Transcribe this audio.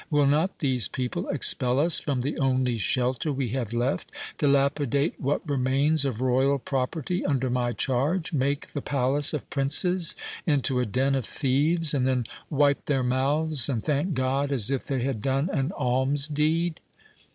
Will not these people expel us from the only shelter we have left—dilapidate what remains of royal property under my charge—make the palace of princes into a den of thieves, and then wipe their mouths and thank God, as if they had done an alms deed?"